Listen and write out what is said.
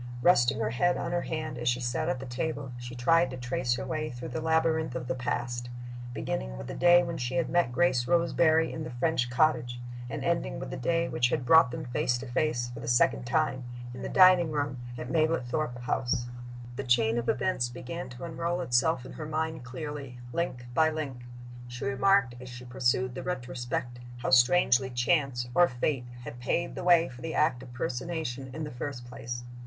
Resting her head on her hand as she sat at the table, she tried to trace her way through the labyrinth of the past, beginning with the day when she had met Grace Roseberry in the French cottage, and ending with the day which had brought them face to face, for the second time, in the dining room at Mablethorpe House. The chain of events began to unroll itself in her mind clearly, link by link. She remarked, as she pursued the retrospect, how strangely Chance, or Fate, had paved the way for the act of personation, in the first place.